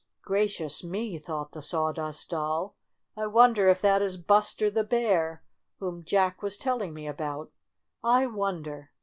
"Gracious me!" thought the Sawdust Doll, "I wonder if that is Buster the Bear whom J ack was telling me about. I won der